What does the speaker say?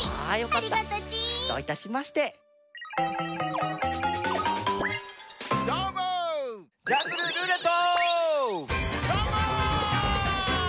はい！